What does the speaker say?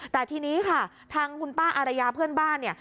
แต่ทีนี้ค่ะทางคุณป้าอารยาเพื่อนบ้านเนี่ย